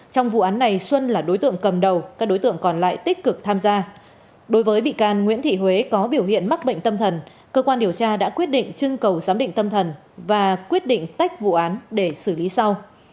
trong vụ án này xuân là đối tượng cầm đầu các đối tượng còn lại tích cực tham gia đối với bị can nguyễn thị huế có biểu hiện mắc bệnh tâm thần cơ quan điều tra đã quyết định trưng cầu giám định tâm thần và quyết định tách vụ án để xử lý sau